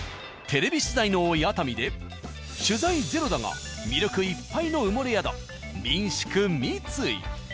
テレビ取材の多い熱海で取材ゼロだが魅力いっぱいの埋もれ宿民宿三井。